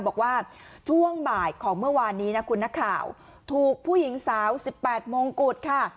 บอกว่าช่วงบ่ายของเมื่อวานนี้นะคุณนักข่าวถูกผู้หญิงสาว๑๘มงกุฎค่ะ